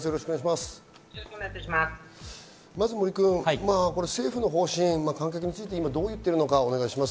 まず政府の方針、観客についてどう言っているのかお願いします。